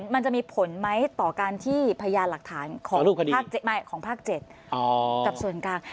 มันจะมีผลไหมต่อการที่พยานหลักฐานของภาค๗กับส่วนกลาง